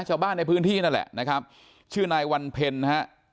ชาวบ้านในพื้นที่นั่นแหละนะครับชื่อนายวันเพ็ญนะฮะ